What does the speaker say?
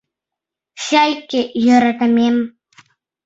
— Чайке, йӧратымем.